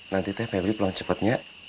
nanti teh febri pulang cepetnya